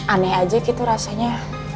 aneh aja gitu rasanya